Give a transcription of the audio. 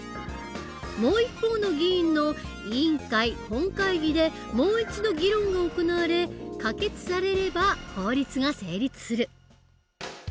もう一方の議員の委員会本会議でもう一度議論が行われ可決されれば法律が成立する。